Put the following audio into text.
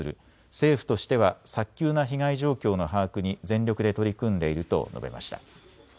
政府としては早急な被害状況の把握に全力で取り組んでいると述べました。